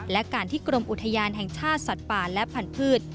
และการที่กรมอุทยานแห่งชาติสัตว์ป่าและพันธุ์